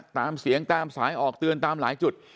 ตามเสียงตามสายออกเตือนตามหลายจุด